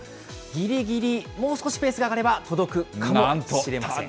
ぎりぎり、もう少しペースが上がれば届くかもしれません。